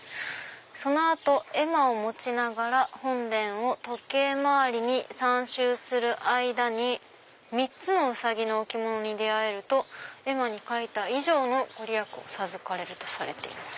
その後絵馬を持ちながら本殿を時計まわりに三周する間に三つの兎の置物に出会えると絵馬に書いた以上のご利益を授かれるとされています」。